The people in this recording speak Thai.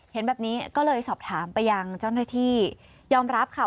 เห็นแบบนี้ก็เลยสอบถามไปยังเจ้าหน้าที่ยอมรับค่ะ